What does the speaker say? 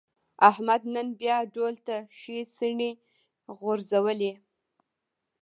احمد نن بیا ډول ته ښې څڼې غورځولې.